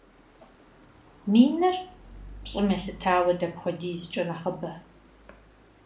Миныр пщӏым елъытауэ дапхуэдизкӏэ нэхъыбэ?